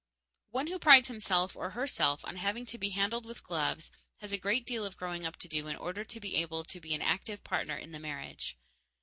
_ One who prides himself or herself on having to be handled with gloves has a great deal of growing up to do in order to be able to be an active partner in the marriage.